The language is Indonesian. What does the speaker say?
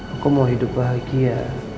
aku mau hidup bahagia